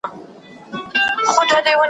لاس په دعا سی وطندارانو ,